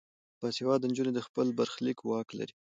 باسواده نجونې د خپل برخلیک واک لري.